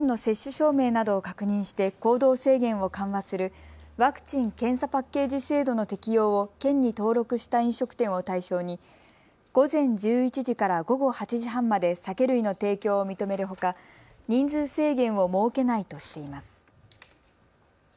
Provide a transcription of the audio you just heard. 埼玉県はワクチンの接種証明などを確認して行動制限を緩和するワクチン・検査パッケージ制度の適用を県に登録した飲食店を対象に午前１１時から午後８時半まで酒類の提供を認めるほか人数制限を設けないとしています。